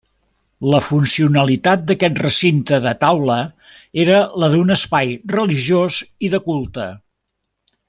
La funcionalitat d'aquest recinte de taula era la d'un espai religiós i de culte.